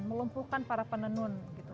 melumpuhkan para penenun gitu